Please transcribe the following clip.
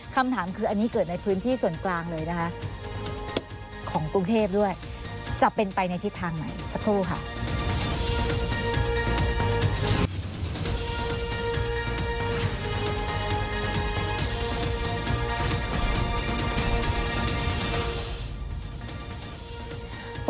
คำถามคืออันนี้เกิดในพื้นที่ส่วนกลางเลยนะคะของกรุงเทพด้วยจะเป็นไปในทิศทางไหนสักครู่ค่ะ